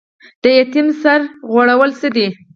د یتیم سر غوړول څه دي؟